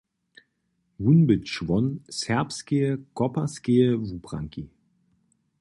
Wón bě čłon serbskeje koparskeje wubranki.